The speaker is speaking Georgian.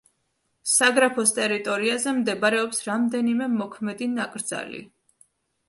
საგრაფოს ტერიტორიაზე მდებარეობს რამდენიმე მოქმედი ნაკრძალი.